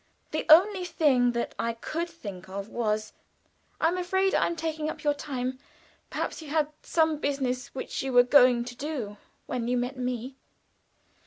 The only thing that I could think of was: "I am afraid I am taking up your time. Perhaps you had some business which you were going to when you met me."